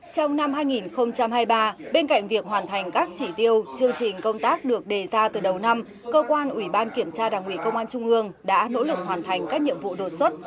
trong năm hai nghìn hai mươi ba bên cạnh việc hoàn thành các chỉ tiêu chương trình công tác được đề ra từ đầu năm cơ quan ủy ban kiểm tra đảng ủy công an trung ương đã nỗ lực hoàn thành các nhiệm vụ đột xuất